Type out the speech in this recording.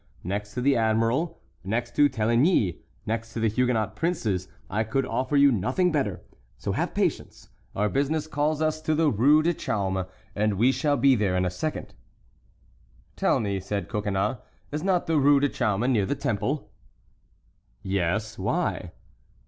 Next to the admiral, next to Téligny, next to the Huguenot princes, I could offer you nothing better. So have patience, our business calls us to the Rue du Chaume, and we shall be there in a second." "Tell me," said Coconnas, "is not the Rue du Chaume near the Temple?" "Yes, why?"